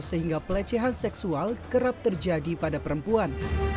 sehingga pelecehan seksual kerap terjadi pada perempuan